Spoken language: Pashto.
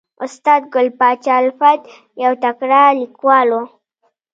استاد ګل پاچا الفت یو تکړه لیکوال و